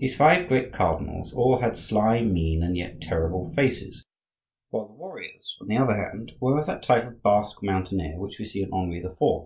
These five great cardinals all had sly, mean, and yet terrible faces; while the warriors, on the other hand, were of that type of Basque mountaineer which we see in Henri IV.